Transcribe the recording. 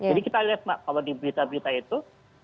jadi kita lihat mbak kalau di berita berita itu